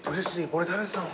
これ食べてたの？